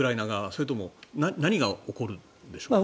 それとも何が起こるんでしょう。